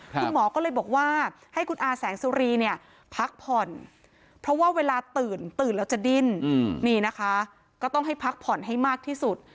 คุณหมอก็เลยบอกว่าให้คุณอาแสงสุรีเนี่ยพักผ่อนเพราะว่าเวลาตื่นตื่นแล้วจะดิ้นนี่นะคะก็ต้องให้พักผ่อนให้มากที่สุด